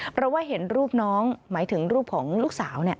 เพราะว่าเห็นรูปน้องหมายถึงรูปของลูกสาว